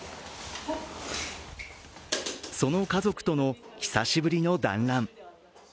その家族との久しぶりの団らん。